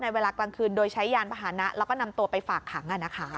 เวลากลางคืนโดยใช้ยานพาหนะแล้วก็นำตัวไปฝากขัง